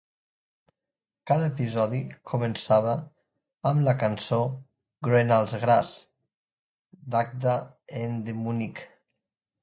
Cada episodi començava amb la cançó "Groen als gras" d'Acda en De Munnik.